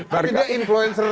barangnya dia influencer